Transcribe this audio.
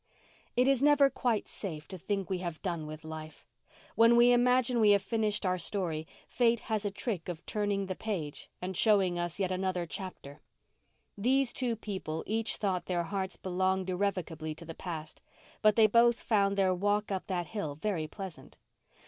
It is never quite safe to think we have done with life. When we imagine we have finished our story fate has a trick of turning the page and showing us yet another chapter. These two people each thought their hearts belonged irrevocably to the past; but they both found their walk up that hill very pleasant.